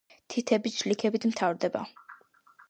თითები ჩლიქებით მთავრდება.